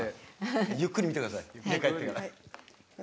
ゆっくり見てください。